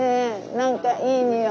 何かいい匂い。